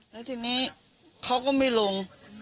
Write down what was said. แล้วทีนี้เขาก็ไม่ลง